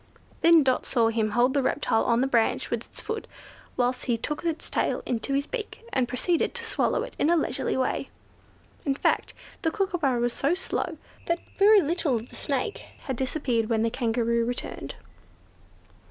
Then Dot saw him hold the reptile on the branch with his foot, whilst he took its tail into his beak, and proceeded to swallow it in a leisurely way. In fact the Kookooburra was so slow that very little of the snake had disappeared when the Kangaroo returned.